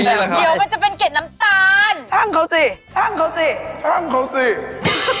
อยากเกร็ดลดร่องอีก